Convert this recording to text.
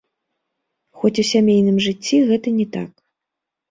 Хоць у сямейным жыцці гэта не так.